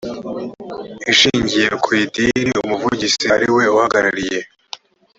ishingiye ku idini umuvugizi ariwe uhagarariye